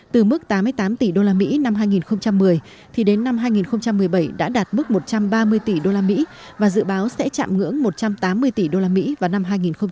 từ mức tám mươi tám tỷ usd năm hai nghìn một mươi thì đến năm hai nghìn một mươi bảy đã đạt mức một trăm ba mươi tỷ usd và dự báo sẽ chạm ngưỡng một trăm tám mươi tỷ usd vào năm hai nghìn hai mươi